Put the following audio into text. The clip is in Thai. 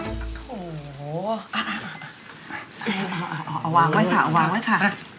โอ้โหเอาวางไว้ค่ะเอาวางไว้ค่ะ